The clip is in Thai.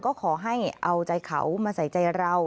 ก็ขอให้เอาใจเขามาใส่ใจเรา